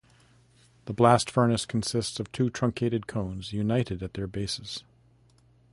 The blast furnace consists of two truncated cones united at their bases.